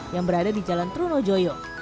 yang berada di jalan trunojoyo